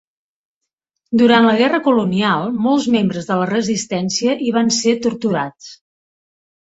Durant la guerra colonial molts membres de la resistència hi van ser torturats.